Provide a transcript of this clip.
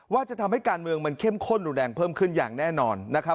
ว่าจะทำให้การเมืองมันเข้มข้นรุนแรงเพิ่มขึ้นอย่างแน่นอนนะครับ